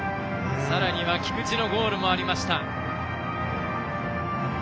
さらには菊池のゴールもありました。